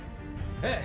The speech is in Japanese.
ええ。